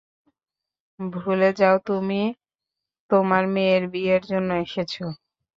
ভুলে যাও, তুমি তোমার মেয়ের বিয়ের জন্য এসেছো।